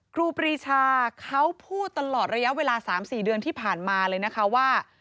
ครูปรีชาเขาพูดตลอดระยะเวลา๓๔เดือนที่ผ่านมาเลยนะคะว่า